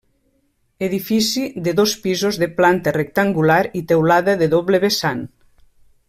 Edifici de dos pisos de planta rectangular i teulada a doble vessant.